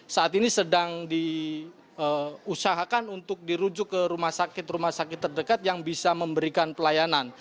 saat ini sedang diusahakan untuk dirujuk ke rumah sakit rumah sakit terdekat yang bisa memberikan pelayanan